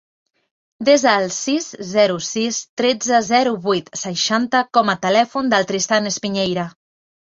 Desa el sis, zero, sis, tretze, zero, vuit, seixanta com a telèfon del Tristan Espiñeira.